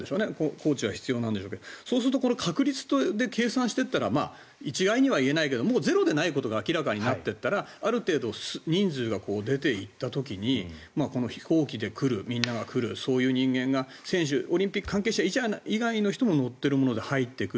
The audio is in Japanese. コーチは必要なんでしょうけどそうするとこれ、確率で計算していったら一概には言えないけどもうゼロでないことが明らかになっていったらある程度人数が出ていった時にこの飛行機でみんなが来るそういう人間が選手オリンピック関係者以外の人も乗っているものが入ってくる。